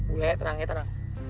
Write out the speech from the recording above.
ueh tenang ya tenang